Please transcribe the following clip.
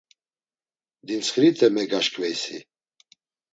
Dintsxirite megaşǩveysi?